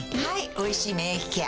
「おいしい免疫ケア」